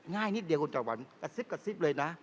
ง่ายนิดเดียวคุณจอวันกระซิบกระซิบเลยนะ